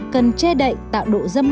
cần che đậy tạo độ dâm lạnh